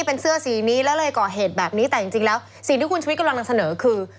เป็นเสื้อสีนี้แล้วเลยก่อเหตุแบบนี้แต่จริงแล้วสิ่งที่คุณชุวิตกำลังนำเสนอคือ